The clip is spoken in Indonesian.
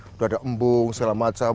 sudah ada embung segala macam